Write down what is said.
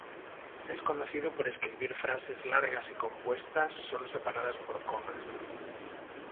Es conocido por escribir frases largas y compuestas solo separadas por comas.